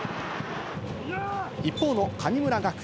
一方の神村学園。